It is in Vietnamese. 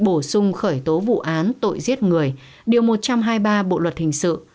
bổ sung khởi tố vụ án tội giết người điều một trăm hai mươi ba bộ luật hình sự